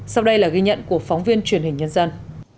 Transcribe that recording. sau đây là ghi nhận của phóng viên truyền hình nhân dân